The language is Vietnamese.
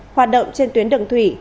hoạt động trên tuyến đường thủy